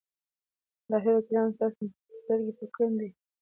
مدافع وکیلان ستاسو ستونزو ته په یوې سترګې ګوري.